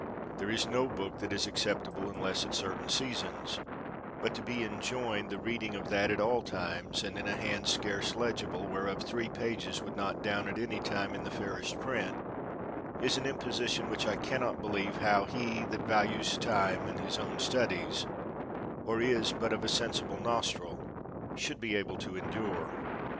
There is no book that is accept able unless at certain seasons ; but to be enjoined the reading of that at all times, and in a hand scarce legible, whereof three pages would not down at any time in the fairest print, is an im 96 MILTON position which I can not believe how he that values time and his own studies, or is but of a sen sible nostril, should be able to endure.